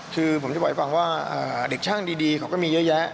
คือผมจะบอกให้ฟังว่าเด็กช่างดีเขาก็มีเยอะแยะ